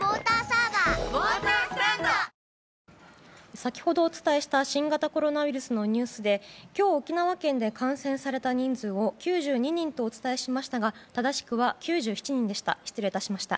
先ほどお伝えした新型コロナウイルスのニュースで今日、沖縄県で感染された人数を９２人とお伝えしましたが正しくは９７人でした。